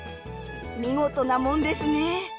見事なもんですね。